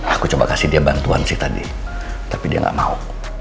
aku coba kasih dia bantuan sih tadi tapi dia nggak mau